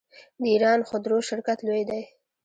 د ایران خودرو شرکت لوی دی.